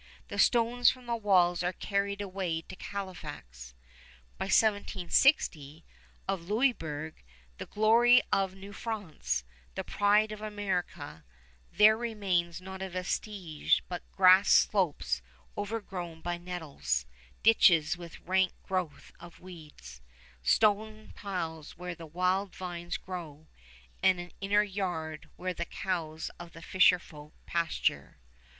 The stones from the walls are carried away to Halifax. By 1760, of Louisburg, the glory of New France, the pride of America, there remains not a vestige but grassed slopes overgrown by nettles, ditches with rank growth of weeds, stone piles where the wild vines grow, and an inner yard where the cows of the fisher folk pasture.